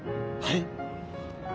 はい？